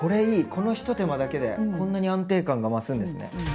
このひと手間だけでこんなに安定感が増すんですね。